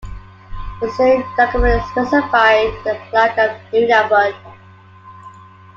The same document specified the flag of Nunavut.